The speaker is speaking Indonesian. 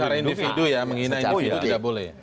antara individu ya menghina individu tidak boleh